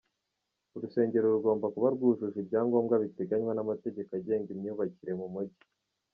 Urusengero rugomba kuba rwujuje ibyangombwa biteganywa n'amategeko agenga imyubakire mu mujyi.